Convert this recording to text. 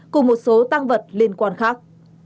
cùng một số tăng vật liên quan khác